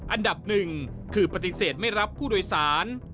อันดับหนึ่งคือปฏิเสธไม่รับผู้โดยสาร